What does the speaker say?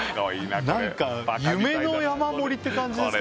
これ夢の山盛りって感じですか